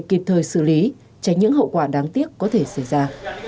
kịp thời xử lý tránh những hậu quả đáng tiếc có thể xảy ra